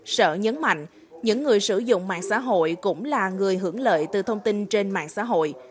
sở nhấn mạnh những người sử dụng mạng xã hội cũng là người hưởng lợi từ thông tin trên mạng xã hội